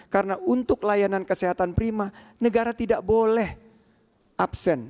karena untuk layanan kesehatan prima negara tidak boleh absen